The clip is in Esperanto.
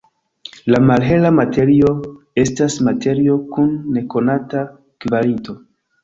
La malhela materio estas materio kun nekonata kvalito.